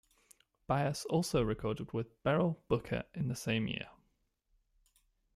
Byas also recorded with Beryl Booker in the same year.